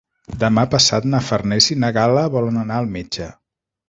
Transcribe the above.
Demà passat na Farners i na Gal·la volen anar al metge.